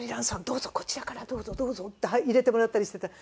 どうぞこちらからどうぞどうぞ」って入れてもらったりしてた。